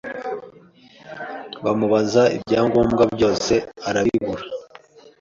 bamubaza ibyangombwa byose arabibura